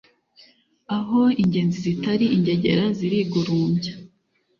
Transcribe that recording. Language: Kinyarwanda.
Aho ingenzi zitari ,ingegera zirigurumbya